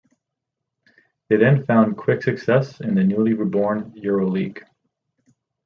They then found quick success in the newly reborn EuroLeague.